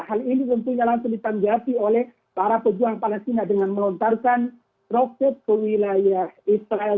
hal ini tentunya langsung ditanggapi oleh para pejuang palestina dengan melontarkan roket ke wilayah israel